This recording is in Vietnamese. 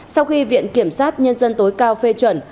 sau khi viện kiểm sát nhân dân tối cao phê chuẩn